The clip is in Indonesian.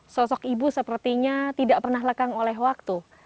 sosok ibu sepertinya tidak pernah lekang oleh waktu